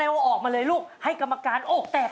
หัวใจปล่อยให้เธอโอ้เจ๊ไอ้เธอ